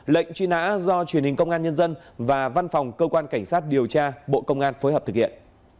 lệnh truy nã do truyền hình công an nhân dân và văn phòng cơ quan cảnh sát điều tra bộ công an phối hợp thực hiện